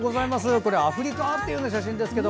これアフリカ？っていうような写真ですけど。